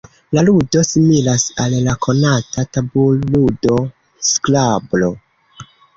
La ludo similas al la konata tabul-ludo skrablo.